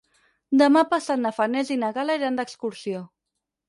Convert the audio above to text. Demà passat na Farners i na Gal·la iran d'excursió.